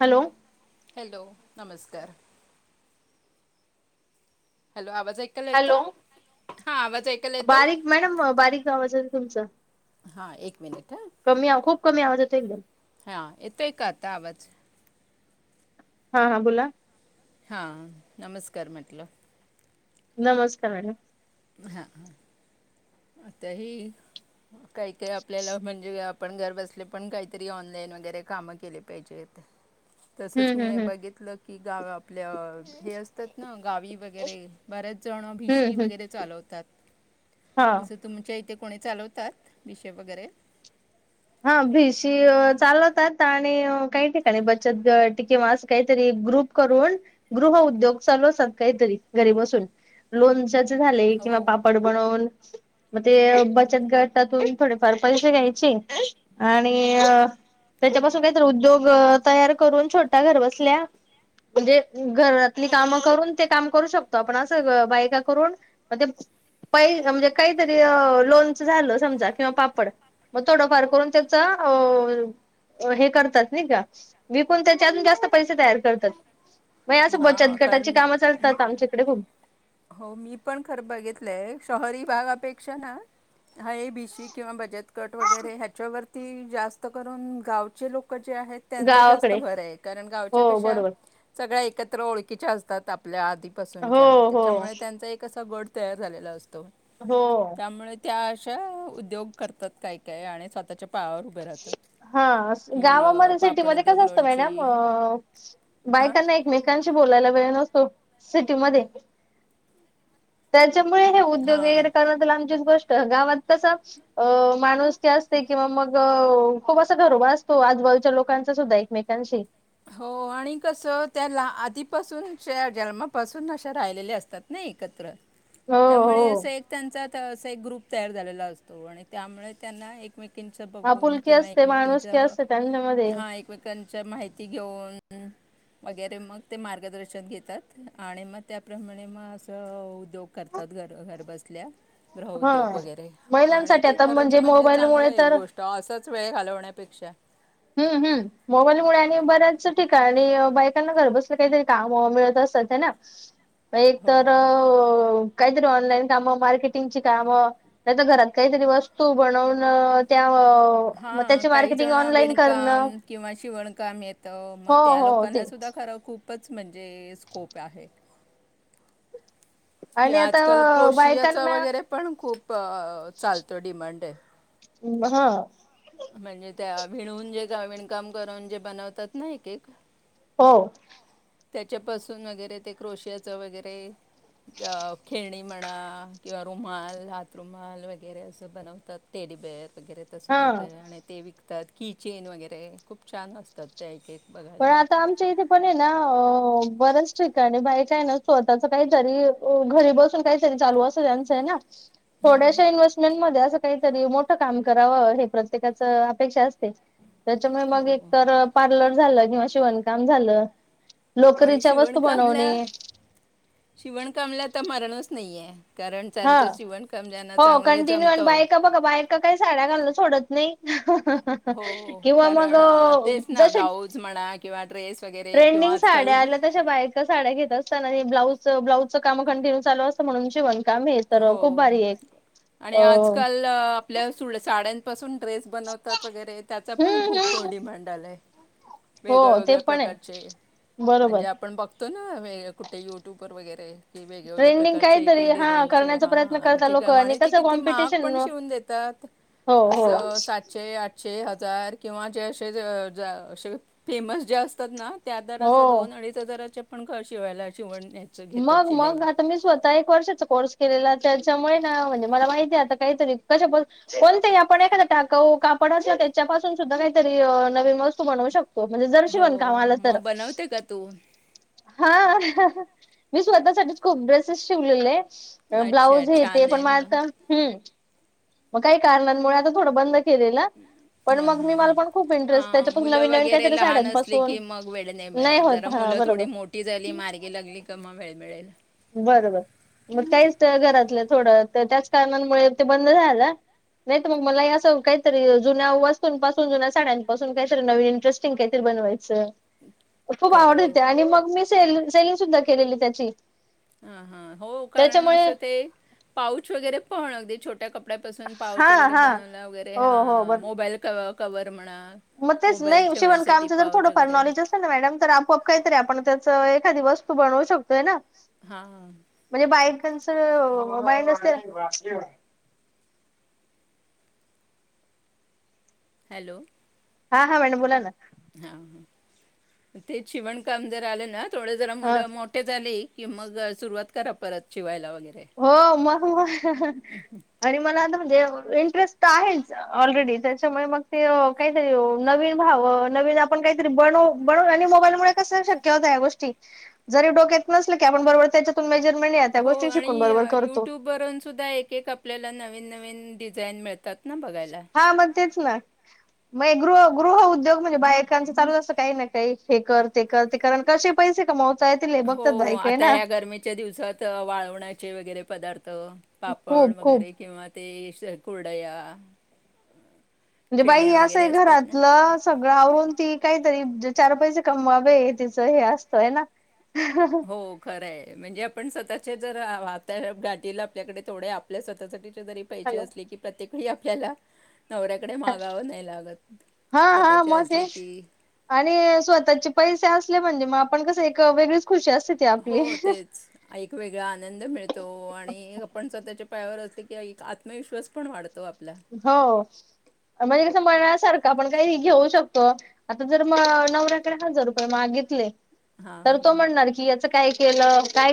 Hello. Hello नमस्कार. Hello आवाज. ऐकायला येतो हॅलो हां आवाज ऐकायला येतो बारीक मॅडम बारीक आवाजल तुमच हा एक मिनिट ह. कमी आवाज येतो एकदम. हा येतोय का आता आवाज. हा हा बोला. हा नमस्कार म्हटलं. नमस्कार मॅडम. हां ह आताही काही काही आपल्याला म्हणजे पण घर बसले पण काहीतरी ऑनलाईन वगैरे काम केले पाहिजेत. तसच हम्म मी हम्म हम्म बघितलं की गाव आपल्या हे असतात ना गावी वगैरे बऱ्याच जण भिशी हम्म हम्म वगैरे चालवतात हा तसे तुमच्या इथे. कोणी चालवतात भिशी वगैरे. हा भीस चालवतात आणि काही ठिकाणी बचत गट किंवा अस काहीतरी ग्रुप करून गृह उद्योग चालू असत्यात काहीतरी घरी बसून लोनच्या. हो किंवा पापड बनवून. ते बचत गटतातून थोडेफार पैसे घ्यायचे. आणि त्याच्यापासून काहीतरी उद्योग तयार करून छोट्या घर त्याच्यापासून काही उद्योग तयार करून छोट्या घर बसल्या म्हणजे घरातली कामं करून ते काम करू शकतो आपण असं बायका करून मग ते पै म्हणजे काहीतरी लोनच झालं समजा किंवा पापड म. थोडंफार करून त्याच हे करतात नाही का विकून त्याच्या अजून जास्त पैसे तयार करतात मग असं बचत हा गटाची कारण कामं चालतात आमच्याकडे खूप हो मी पण खरं बघितलंय शहरी भाग. भिशी किंवा बचत गट वगैरे ह्याच्यावरती जास्त करून गावचे लोक. जे त्यांच जास्त गावाकडे भर आहे कारण हो गावच्या कशा बरोबर सगळ्या. एकत्र ओळखीच्या असतात आपल्या आ त. हो हो त्याच्यामुळे त्यांचा एक अस गट. तयार झालेला असतो. हो त्यामुळे. त्या अशा उद्योग करतात काय काय आणि स्वतःच्या. पायावर उभे राहतात हा की अ, गावामध्ये पापड सिटीमध्ये कस उद्योग असतं लोणची मॅडम हां बायकांना एकमेक. बोलायला मिळेना सिटीमध्ये ते. त्याच्यामुळे हे उद्योग वगैरे हां कर लांबची गो. गावात तसा अ माणूस. असते किंवा मग. अ खूप असा घरोब असतो आजबाजूच्या लोकांचा सुद्धा एकमेकांशी. हो आणि कस त्याला आधीपासून जन्मापासून अशा राहिलेल्या असतात ना एकत्र. हो त्यामुळे हो असं एक त्यांचा. असा एक ग्रुप तयार झालेला असतो आणि त्यामुळे त्यांना एक. एकमेकिंच बघून आपुलकी किंवा असते एकमेकांच्या माणुसकी असते त्यांच्यामध्ये. हा एकमेकांच्या माहिती. घेऊन वगैरे मग ते मार्गदर्शन घेतात आणि मग त्याप्रमाणे मग असं. उद्योग करतात घर घर बसत. ल्या हा ग्रहउद्योग वगैरे आणि महिलांसाठी ते आता खरंच म्हणजे चांगलं मोबाईलमुळे आहे तर गोष्ट असाच वेळ घालवण्यापेक्षा. हम्म हम् मोबाईलमुळे आणि बऱ्याच ठिकाणी आणि बायकांना घर बसलं काहीतरी काम ओ मिळत असत ह ना. एक तर हो अअ. काहीतरी ऑनलाईन काम मार्केटिंग काम नाहीर घरात काहीतरी वस्तू बनवन. अअअ मत्याची मार्केटिंग ओनलाईन. काम किंवा शिवणकाम येत मग हो त्या हो लोकांना सुद्धा तेच खर. खूपच म्हणजे स्कोप आहे. कि आणि आता आजकाल अ, क्रोशियाच बायकांना वगैरे पण खूप चालतो अ डिमांडे. हा. म्हणजे त्या विणून जे गारमेंट काम करून जे बनवतात ना एक एक हो. त्याच्यापासून वगैरे ते क्रोशियाच वगैरे, त्या खेणी म्हणा किंवा रुमाल हात रुमाल वगैरे असं बनवतात तेडीबेर वगैरे तसं हा काय आणि ते वि त्यात किचेन वगैरे खूप छान असतात त्या एके पण आता आमच्या इथे पणेना अ बर्याच ठिकाणी बाई काय ना स्वतःच काहीतरी घरी बसून काहीतरी चालू असं त्यांचं आहे ना हा थोड्याशा इन्हेस्टमेंटमध्ये आस काहीतरी मोठं काम करावं हे प्रत्येकाच अपेक्षा असते. त्याच्यामुळे हो मग एक हो. तर पार्लर झालं [inaudible] शिवनकाम झालं आणि लोकरीच्या वस्तू बनवणे शिवणकामल्या शिवणकामल्याता मारणस नाहीए. हा. हो. कंटिन्यू आणि जमतं बायका बघा बायका काही साड्या घालण सोडत नई. हहह हो किंवा मग कारण अं, तेच ना जसे ब्लाऊज म्हणा किंवा ड्रेस वगैरे किंवा ट्रेंडिंग आजकाल साड्या आल्या तश्या बायका साड्या घेत असताना ब्लाउज ब्लाजचं काम कंटिन्यू ल असत म्हून जव हो आणि अ आजकाल आपल्या साड्यांपासून ड्रेस बनवतात वगैरे त्याचा पण हम्म खूप हम्म डिमांड आलाय वेगळ्या हो ते वेगळ्या पण आहे प्रकारचे बरोबर. म्हणजे आपण बघ तो ना कुठे युट्यूबवर वगैरे की वेगवेगळ्या ट्रेंडिंग प्रकारचे एक काहीतरी एक हा डिझाईन करण्याचा प्रयत्न करता लोक आणि कसं कि महाग कॉम्पिटिशन पण हो शिवून हो देतातातश आठ हजार किंवा ज असे अस फेमस जे असतात ना त्या दार हो असं दोन अडीच हजाराचे पण खं शिवायला शिवण मग मग आता मी स्वतः एक वर्षाचा कोर्स केलेला त्याच्यामुळे ना म्हणजे मला माहिती आहे आता काहीतरी कश कोणतही आपण एखाद टाका कापड अस ना त्याच्यापासून सुद्धा काहीतरी नवीन वस्तू बनवू शकतो हो म्हणजे जर शिवण हो कामाला तर मग बनवते का तू हा मी स्वतःसाठीच खूप ड्रेसेस शिवलेले अच्छा ब्लाऊज येते छान पण आहे म मग आता हम्म. मग काही कारणांमुळे आता थोडं बंद केलेलं पण हा मग हा मी मला पण खूप हा इंटरेस्ट त्याच्यापासून मुलं नवीन नवीन वगैरे काहीतरी लहान असली साड्यांपासून कि मग वेळ नाही मिळत जरा होत हा मुलं थोडी बरोबर मोठी झाली मार्गी लागली क मग वेळ मिळेल. बरोबर मग काहीच घरातलं थोडं तर त्याच कारणामुळे ते बंद झालं. नाहीत मग मला असं काहीतरी जुन्या वस्तूंपासून जुन्या साड्यांपासून काहीतरी नवीन इंटरेस्टिंग काहीतरी बनवायचं. खूप खरं आवडत आहे होते आणि मग मी ेल सेलिंग सुद्धा केलेली त्याची. हा हा हो कारण त्याच्यामुळे असं ते पाऊच वगैरे, पव लाग छोट्या कप कपड्यापसून हा पाउच वगैरे हा बनवला वगैरे हो हो बर मोबाईल क कववर म्हणा मग तेच मोबाईल नाही ठेवण्यासाठी शिवणकामचं जर पाऊच थोडंफार वगैरे नॉलेज असेल ना मॅडम तर आपआप काहीतरी आपण त्याचं एक एखादी वस्तू बनवू शकतोय ना. हा. त्यांच माइंड असतील [unintelligible] हॅलो हा हा मॅडम बोला ना. हा ते शिवण कामदार आलं ना. थोडे जरा हा मुलं मोठे झाली. की मग सुरुवात करा परत शिवायला व हो मग मग आणि मला आता इंटरेस् आहे ऑलरेडी त्याच्यामुळे काही ननव नन आप काहीतरी मो क शक गो जरी डोक्यात न आप बरोब त्या म्हणले आता हो गोष्टींची. आणि युट्यूब वरून सुद्धा एक एक आपल्याला नवीन नवीन डिझाईन मिळतात ना बघायला. हा मग तेच ग गृह उद्योग म्हणजे बायकांचा चालू असत काही ना काही हे कर ते कर ते कर कसे पैसे कमाव हो आता ह्या गर्मीच्या दिवसात वाळवण्याचे वगैरे पदार्थ पापड खूप खूप वगैरे किंवा ते कुरडया. म्हणजे, बाई फेण्या असं वगैरे आहे असतात ना. घरातलं सगळं आवरून ती काहीतरी चार पैसे कमवावे तिचं हे असतंय ना हो खरंय म्हणजे आपण सतत. [unintelligible] आपल्याकडे थोड्या आपल्या स्वतःसाठी पाहिजे हॅलो. असले की. तिकडे आपल्याला. नवऱ्याकडे मागावं नाही लागत. हा हा स्वतःचे असले मध्ये की आणि स्वतःचे पैसे अस बंद हो तेच एकऐ वेगळा आनंद मिळतो आणि आपण स्वतःच्या पायावर असते की एक आत्मविश्वास पण वाढतो आपण हो म्हणजे ण्यासारखं आपण काही घेऊ शकतो आता जर नवऱ्याकडे हजार रुपये मागितले हां, तर तो हां. म्हणणार की याच काय केलं काय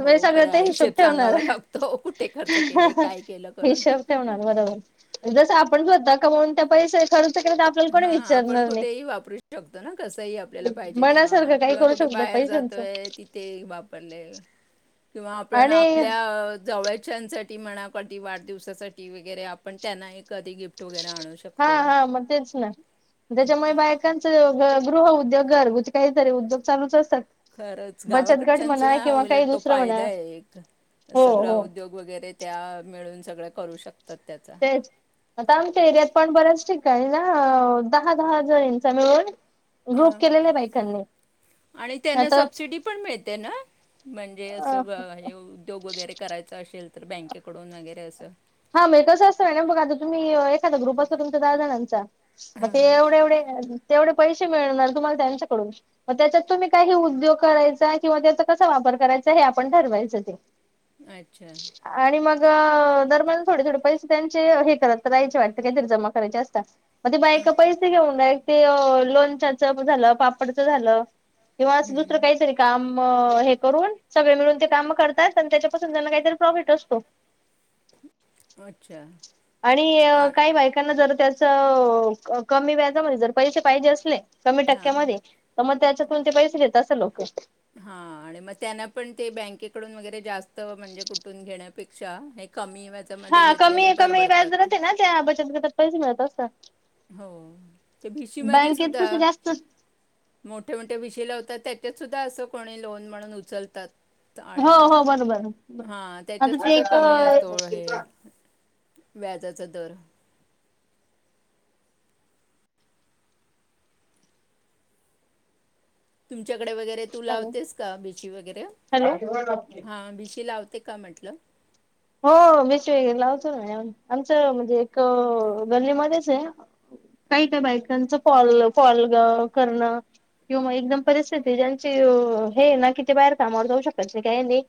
हो सगळ खरा ते हिशोब हिशेब ठेवणार सांगावा लागतो कुठे खर्च केले, काय केलं करून. हिशोब ठेवणार बरोबर जस आपण स्वतः कून त्या पैसे खर्च केले तर आपल्याला हा कोणी आपण विचारणार नाही. कुठेही वापरू शकतो ना कसही आपल्याला पाहिजे तेव्हा मनासारखं काही किंवा करू कुठे शकतो बाहेर पैशांचं जातोय तिथे वापरले किंवा आपण आणि आपल्या जवळच्यासाठी म्हणा अधी वाढदवसासाठी वगैरे आपण त्यांना कधी गिफ्ट वगैरे आणू हा शकतो हा मग त्याच्यामुळे बायकां गृह उद्योग घरगु काहीत उद्योग चालूच असतात खरंच बचत गट गावाकडच्यांचं म्हणा ना किंवा काही उलट तो दुसरं म्हणा फायदा आहे एक हो स ग्र हो उद्योग वगैरे त्या मिळून सगळं करू शको तेच आता आमच्या एरियात पण बऱ्याच ठठीक काय ना दहा दहा जणंचाम हा आणि त्यांना सबसिडी पण मिळते ना म्हणजे आता असं हे उद्योग वगैरे करायचा असेल तर बँकेकडून वगैरे असं हा मग कसं असतं ना बघ आता तुम्ही एखादा ग्रुप असता तुमच्या दहा जणांचा मग ते हां एवढे एवढे तेवढे पैसे मिळणार तुम्हाला त्यांच्याकडून मग त्याच्यात तुम्ही काही उद्योग करायचा किंवा त्याचा कसा वापर करायचा हे आपण ठरवायचं ते अच्छा [inaudible] थोडे थोडे पैसे त्यांचे हे करत तरयचे वाटतं कारी जमा करायचे असतात मग ते बा ए पैसे घेऊन जा ते लोणच्याच झालं पापडचं झालं तेव्हा असं दुसरं काहीचं नाही काम म हे करून सगळे मिळून ते काम करतात आणि त्याच्यापासून त्यांना काहीतरी प्रॉफिट असतो अच्छा आणि आ- काही बायकांना जरा त्या [unintelligible] कमी व्याजामध्ये जर पसैसे पाहिजे असले कमी हां टक्क्यामध्ये, म त्याच्या कोणते पैसे देता असं लोकं? हां आणि मग त्यांना पण ते बँकेकडून वगैरे जास्त म्हणजे कुठून घे [unintelligible] हा, कमी कमी व्याज [unintelligible] बचत गटात पैसे मिळत हो, ते भीशी मध्ये बँकेत सुद्धा, कस जास्त मोठ्या मोठ्या भशी लावतात. त्याच्यात सुद्धा असं कोणी लोन म्हणून उचलतात. आणि हो मग, हो बरोबर हा आता त्याच्यात ते सुद्धा एक कमी असतो हे. व्याजाचा दर. तुम. चकडे वगैरे तू हॅलो लावतेस का भिशी वगैरे, हॅलो हा भीशी लावते. ते काय म्हटलं? हो मीच वगैरे लावतो ना आमचं म्हणजे, एक गल्लीमध्येच आहे. काही काही बायकांच फॉल फॉल करणं, किंवा एकदम परिस्थिती ज्यांची हे ना कि ते बाहेर कामावर जाऊ शकत ते काही नाही.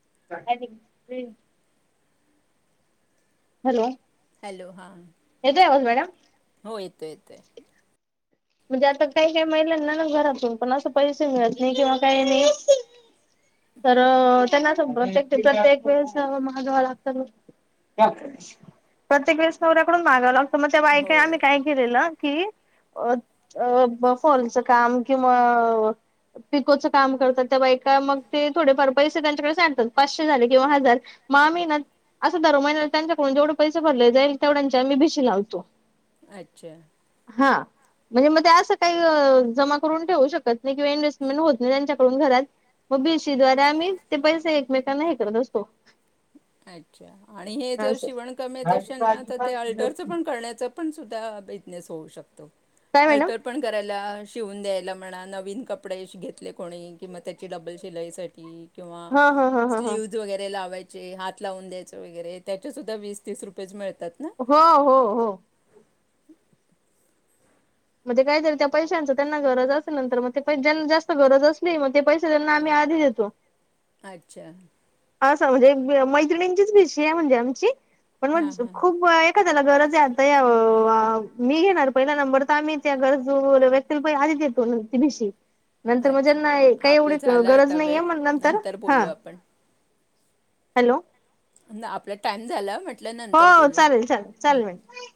[unintelligible] हॅलो. हॅलो हा, येतोय आवाज मॅडम हो येतोय येतोय. म्हणजे आता काही काही महिलांना ना घरातून पण अस पैसे मिळत नाही किंवा काही नाही, तर त्यांना प्रत्येक प्रत्येक वेळेस महागावं लागत, प्रत्येक वेळेस नवऱ्याकडून माहागाव लागतो. [unintelligible] हो आम्ही काय केलेलं की. [unintelligible] अ फॉलचं काम किंवा, पिकोचं काम करतात ते बायका मग ते थोडेफार पैसे त्यांच्याकडे साडतात पाचशे झाले किंवा हजार म आम्ही ना दर महिन्यात त्यांच्याकडून जेवढे पैसे भरले जाईल तेवढ त्यांच्या मी भीशी लावतो. अच्छा. हा. म्हणजे म ते असं काही जमा करून ठेवू शकत नाही किंवा इन्व्हेस्टमेंट होत नाही त्यांच्याकडून घरात, मग भीसी द्वारे आम्ही ते पैसे एकमेकांना हे करत असतो. अच्छा आणि हे जर असं शिवण काम येत अशेल ना, तर ते अल्टरच पण करण्याच पण सुद्धा बिझनेस होऊ शकत. काय [unintelligible] मॅडम अल्टर पण करायला शिवून द्यायला म्हणा. नवीन कपडे घेतले कोणी म त्याची डबल शिलाईसाठी किंवा हा हा हा हा हा स्लीव्हज वगैरे लावायचे. जे हात लावून द्यायचं वगैरे त्याच्या सुद्धा वीस-तीस रुपयेच मिळ हो हो हो. म्हणजे काय झालं त्या पैशांच त्यांना गरज असेल नंतर मग ते ज्यांना जास्त गरज असली, मग ते पैसे त्यांना आम्ही आधी देतो. अच्छा. असं म्हणजे मैत्रिणींचीच भीशी आहे म्हणजे आमची. पण हां म्हणज हां खूप वय का त्याला गरज आहे आता ह्या? मी घेणार पहिला नंबर तर आम्ही त्या गरजू व्यक्तीला पै आधी देतो ति भिशी. नंतर म्हणजे अच्छा नाही, काही आपलं एवढी झालं गरज आता नाहीये. वेळ मग नंतर ह बोलू आपण हॅलो ना आपल्या टाइम झाला म्हण हो, चालेल. चालेल. चालेल मॅडम.